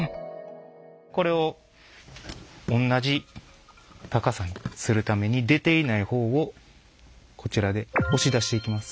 これをおんなじ高さにするために出ていない方をこちらで押し出していきます。